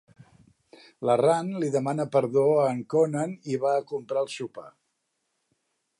La Ran li demana perdó a en Conan i va a comprar el sopar.